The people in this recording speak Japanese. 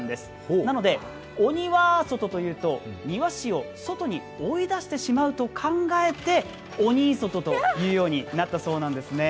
なので「鬼は外」と言うと丹羽氏を外に追い出してしまうと考えて「おにー外」と言うようになったそうなんですね。